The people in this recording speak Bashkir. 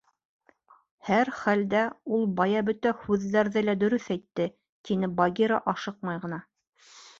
— Һәр хәлдә, ул бая бөтә һүҙҙәрҙе лә дөрөҫ әйтте, — тине Багира ашыҡмай ғына.